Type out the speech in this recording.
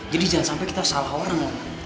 jadi jangan sampai kita salah orang om